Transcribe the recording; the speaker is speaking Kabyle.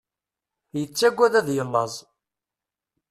Yettaggad ad yellaẓ.